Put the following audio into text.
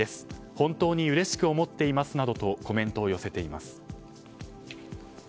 本当にうれしく思っていますなどとコメントを寄せています。